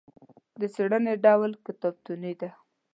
د څېړنې ډول کتابتوني دی.